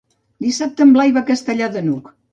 Dissabte en Blai va a Castellar de n'Hug.